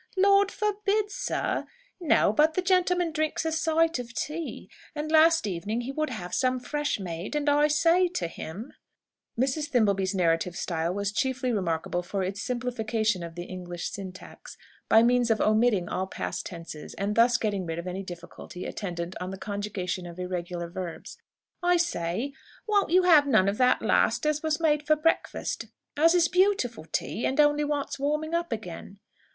"Lord forbid, sir! No, but the gentleman drinks a sight of tea. And last evening he would have some fresh made, and I say to him" Mrs. Thimbleby's narrative style was chiefly remarkable for its simplification of the English syntax, by means of omitting all past tenses, and thus getting rid of any difficulty attendant on the conjugation of irregular verbs "I say, 'Won't you have none of that last as was made for breakfast, as is beautiful tea, and only wants warming up again?'